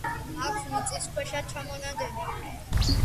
აქვს მიწისქვეშა ჩამონადენი.